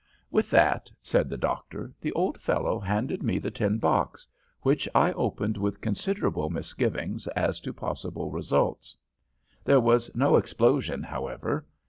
"With that," said the doctor, "the old fellow handed me the tin box, which I opened with considerable misgivings as to possible results. There was no explosion, however.